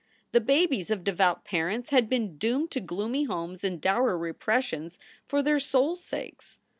The babies of devout parents had been doomed to gloomy homes and dour repressions for their souls sakes.